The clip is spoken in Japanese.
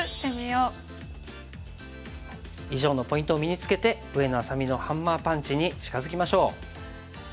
以上のポイントを身につけて上野愛咲美のハンマーパンチに近づきましょう。